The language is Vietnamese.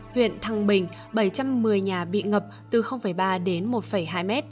huyện thăng bình bảy trăm một mươi nhà bị ngập từ ba đến một hai m